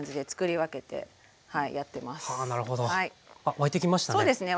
沸いてきました。